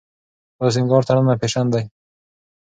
دا سينګار تر ننه فېشن دی.